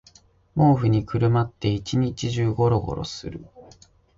毛布にくるまって一日中ゴロゴロする